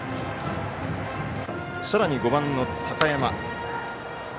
さらに５番の高山。